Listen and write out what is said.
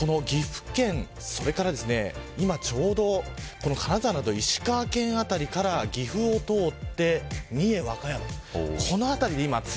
岐阜県、それから今ちょうど金沢など石川県辺りから岐阜を通って三重、和歌山。